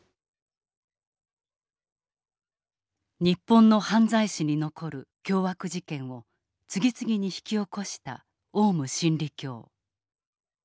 日本の犯罪史に残る凶悪事件を次々に引き起こしたオウム真理教。